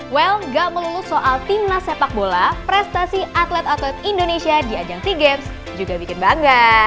well gak melulu soal timnas sepak bola prestasi atlet atlet indonesia di ajang sea games juga bikin bangga